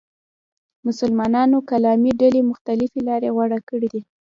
مسلمانانو کلامي ډلې مختلفې لارې غوره کړې دي.